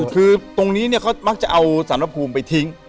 คือตรงนี้เขามักจะเอาสารพระภูมิไปทิ้ง